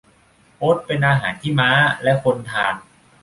โอ๊ตเป็นอาหารที่ม้าและคนทาน